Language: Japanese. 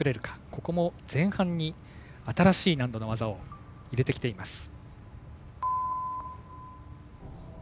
ここも前半に新しい難度の技を入れてきています。